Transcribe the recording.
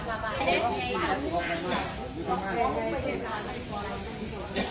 โปรดติดตามตอนต่อไป